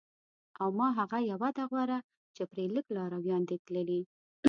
او ما هغه یوه ده غوره چې پرې لږ لارویان دي تللي